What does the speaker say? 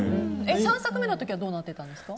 ３作目の時はどうなってたんですか？